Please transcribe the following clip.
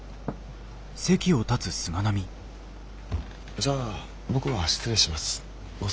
じゃあ僕は失礼します。